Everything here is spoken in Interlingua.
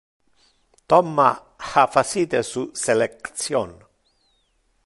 Tom ha facite su selection.